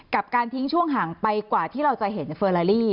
กับการทิ้งช่วงห่างไปกว่าที่เราจะเห็นเฟอร์ลาลี่